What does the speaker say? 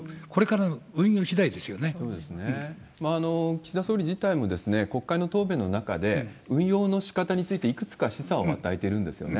岸田総理自体も、国会の答弁の中で、運用のしかたについていくつか示唆を与えてるんですよね。